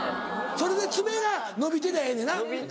それで爪が伸びてりゃええねんな。